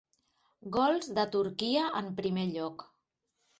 Gols de Turquia en primer lloc.